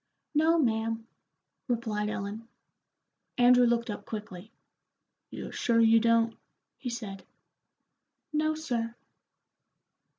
"No, ma'am," replied Ellen. Andrew looked up quickly. "You're sure you don't?" he said. "No, sir."